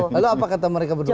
lalu apa kata mereka berdua